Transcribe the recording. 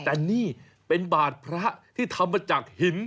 แต่นี่เป็นบาดพระที่ทำมาจากหิน